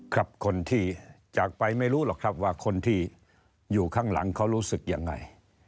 ครับคนที่จากไปไม่รู้หรอกครับว่าคนที่อยู่ข้างหลังเขารู้สึกยังไง